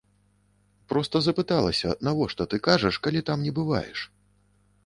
Проста запыталася, навошта ты так кажаш, калі там не бываеш?